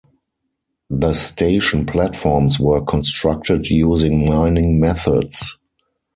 The station platforms were constructed using mining methods.